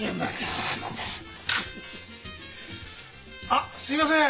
あっすみません。